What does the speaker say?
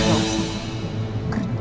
salah satu salah satu